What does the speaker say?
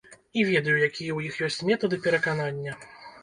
І ведаю, якія ў іх ёсць метады пераканання.